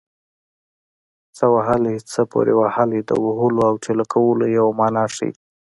څه وهلی څه پورې وهلی د وهلو او ټېله کولو یوه مانا ښيي